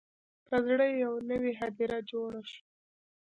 په زړه یې یوه نوي هدیره جوړه شوه